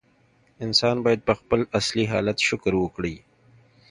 انسان باید په خپل اصلي حالت شکر وکړي.